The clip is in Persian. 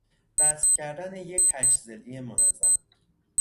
رسم کردن یک هشت ضلعی منظم